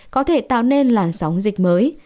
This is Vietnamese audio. có thể tạo nên làn sóng dịch mới